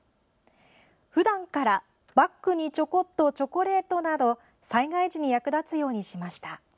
「ふだんからバッグにちょこっとチョコレート」など災害時に役立つようにしました。